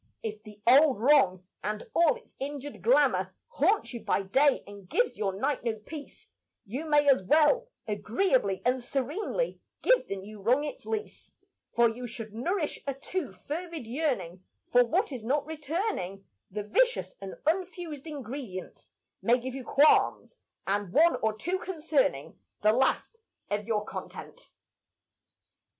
If the old wrong and all its injured glamour Haunts you by day and gives your night no peace, You may as well, agreeably and serenely, Give the new wrong its lease; For should you nourish a too fervid yearning For what is not returning, The vicious and unfused ingredient May give you qualms and one or two concerning The last of your content.